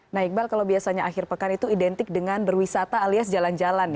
nah iqbal kalau biasanya akhir pekan itu identik dengan berwisata alias jalan jalan ya